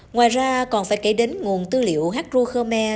ngoài ra còn phải kể đến nguồn tư liệu hát ru khmer